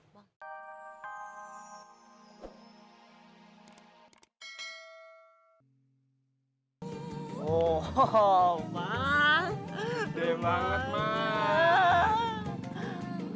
ho ho ho bang deh banget